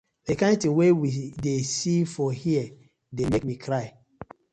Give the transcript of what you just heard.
Di kin tin wey we dey see for here dey mek mi cry.